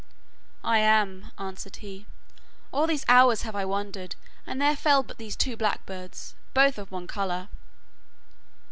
'I am,' answered he; 'all these hours have I wandered, and there fell but these two blackbirds, both of one colour.